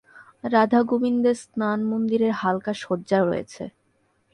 রাধা-গোবিন্দের স্নান-মন্দিরের হালকা সজ্জা রয়েছে।